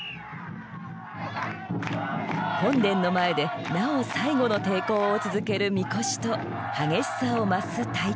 本殿の前でなお最後の抵抗を続ける神輿と激しさを増す太鼓。